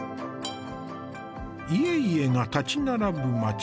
家々が立ち並ぶ町。